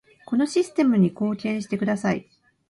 このシステムに貢献してください